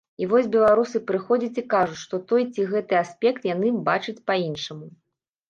І вось беларусы прыходзяць і кажуць, што той ці гэты аспект яны бачаць па-іншаму.